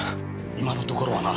今のところはな。